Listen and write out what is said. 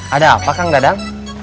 ada apa kang dadang